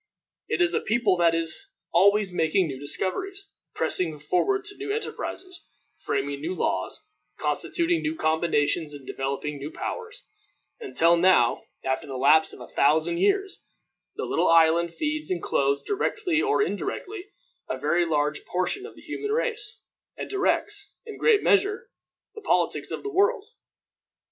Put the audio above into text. It is a people that is always making new discoveries, pressing forward to new enterprises, framing new laws, constituting new combinations and developing new powers; until now after the lapse of a thousand years, the little island feeds and clothes, directly or indirectly, a very large portion of the human race, and directs, in a great measure, the politics of the world.